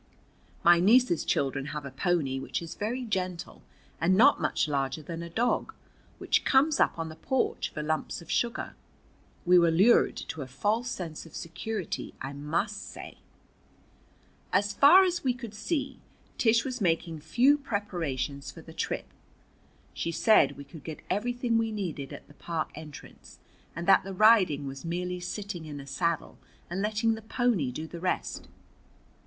My niece's children have a pony which is very gentle and not much larger than a dog, which comes up on the porch for lumps of sugar. We were lured to a false sense of security, I must say. As far as we could see, Tish was making few preparations for the trip. She said we could get everything we needed at the park entrance, and that the riding was merely sitting in a saddle and letting the pony do the rest.